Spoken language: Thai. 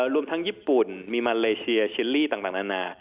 รวมทั้งญี่ปุ่นมีมาเลเซียชิลลี่ต่างนานา